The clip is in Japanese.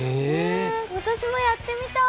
わたしもやってみたい。